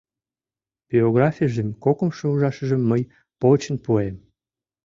Биографийжым кокымшо ужашыжым мый почын пуэм.